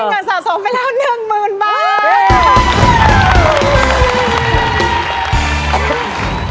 ผสมไปแล้วหนึ่งหมื่นบาท